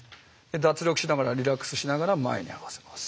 脱力しながらリラックスしながら前に合わせます。